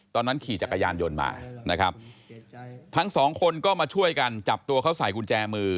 ตอนนั้นขี่จักรยานยนต์มานะครับทั้งสองคนก็มาช่วยกันจับตัวเขาใส่กุญแจมือ